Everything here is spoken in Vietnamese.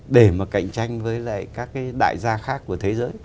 để mà cạnh tranh với lại các cái đại gia khác của thế giới